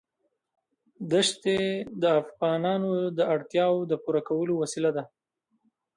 دښتې د افغانانو د اړتیاوو د پوره کولو وسیله ده.